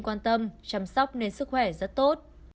quan tâm chăm sóc nên sức khỏe rất tốt